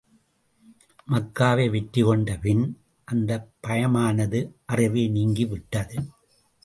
மக்காவை வெற்றி கொண்ட பின், அந்தப் பயமானது அறவே நீங்கி விட்டது.